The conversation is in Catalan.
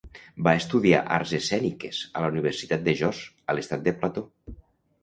Va estudiar arts escèniques a la Universitat de Jos, a l'estat de Plateau.